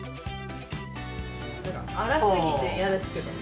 荒すぎて嫌ですけどね。